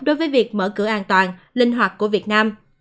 đối với việc mở cửa an toàn linh hoạt của việt nam